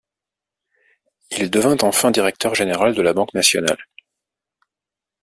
Il devint enfin directeur général de la Banque Nationale.